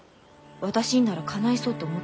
私にならかないそうと思った？